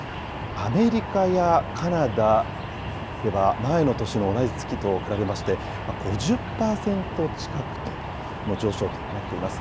アメリカやカナダでは前の年の同じ月と比べまして、５０％近くの上昇となっています。